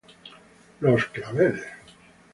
Los Claveles